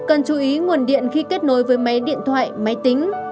cần chú ý nguồn điện khi kết nối với máy điện thoại máy tính